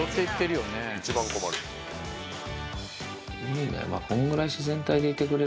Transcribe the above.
いいね。